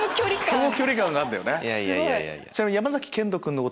その距離感があるんだよね。